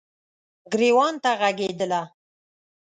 ګریوان ته ږغیدله